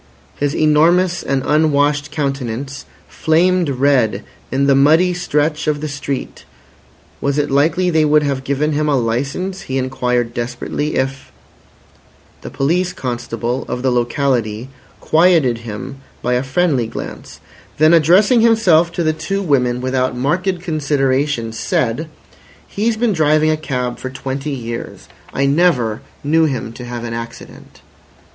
His enormous and unwashed countenance flamed red in the muddy stretch of the street. Was it likely they would have given him a licence, he inquired desperately, if— The police constable of the locality quieted him by a friendly glance; then addressing himself to the two women without marked consideration, said: "He's been driving a cab for twenty years. I never knew him to have an accident."